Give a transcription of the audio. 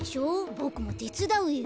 ボクもてつだうよ。